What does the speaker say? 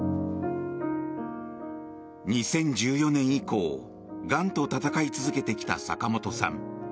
２０１４年以降がんと闘い続けてきた坂本さん。